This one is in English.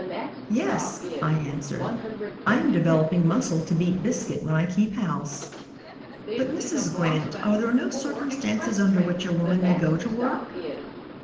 'Yes,' I answered, 'I am developing muscle to beat biscuit when I keep house.' "'But, Mrs. Grant, are there no circumstances under which a woman may go to work?'